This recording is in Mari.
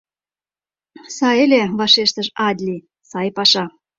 — Сай ыле, — вашештыш Аадли, — сай паша.